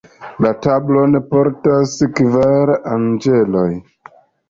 La tablon portas kvar anĝeloj.